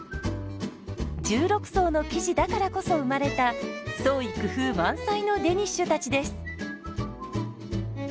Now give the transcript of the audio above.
１６層の生地だからこそ生まれた創意工夫満載のデニッシュたちです。